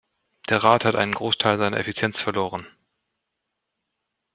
Der Rat hat einen Großteil seiner Effizienz verloren.